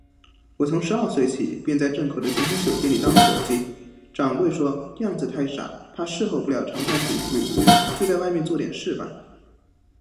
我从十二岁起，便在镇口的咸亨酒店里当伙计，掌柜说，样子太傻，怕侍候不了长衫主顾，就在外面做点事罢。